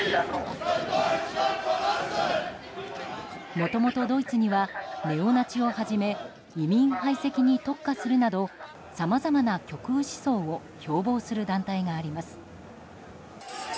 もともとドイツにはネオナチをはじめ移民排斥に特化するなどさまざまな極右思想を標榜する団体があります。